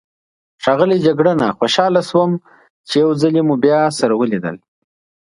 ښاغلی جګړنه، خوشحاله شوم چې یو ځلي مو بیا سره ولیدل.